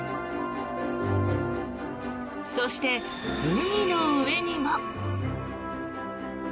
そして、海の上にも。